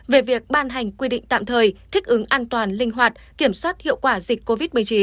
về việc ban hành quy định tạm thời thích ứng an toàn linh hoạt kiểm soát hiệu quả dịch covid một mươi chín